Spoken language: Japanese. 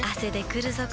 くるぞ？